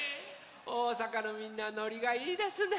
おおさかのみんなノリがいいですね。